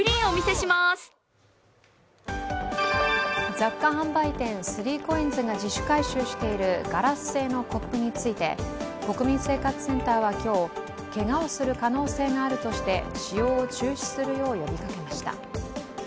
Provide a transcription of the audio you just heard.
雑貨販売店３ＣＯＩＮＳが自主回収しているガラス製のコップについて国民生活センターは今日、けがをする可能性があるとして使用を中止するよう呼びかけました。